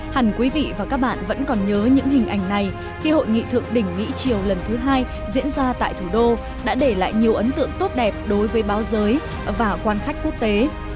hẳn quý vị và các bạn vẫn còn nhớ những hình ảnh này khi hội nghị thượng đỉnh mỹ triều lần thứ hai diễn ra tại thủ đô đã để lại nhiều ấn tượng tốt đẹp đối với báo giới và quan khách quốc tế